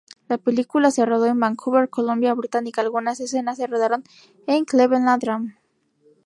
La película se rodó en Vancouver, Columbia Británica.Algunas escenas se rodaron en Cleveland Dam.